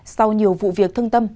sau nhiều vụ việc thương tâm